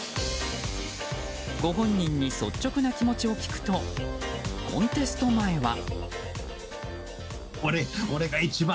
ご本人に率直な気持ちを聞くとコンテスト前は。